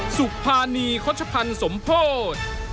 สุภาณีคศสมโพธ